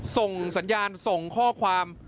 ส่งสัญญาณส่งข้อความ